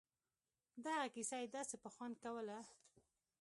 دغه کيسه يې داسې په خوند کوله.